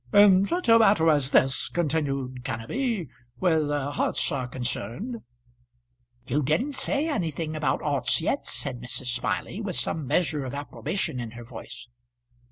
"In such a matter as this," continued Kenneby, "where the hearts are concerned " "You didn't say anything about hearts yet," said Mrs. Smiley, with some measure of approbation in her voice.